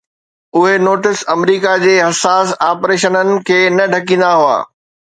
اهي نوٽس آمريڪا جي حساس آپريشنن کي نه ڍڪيندا هئا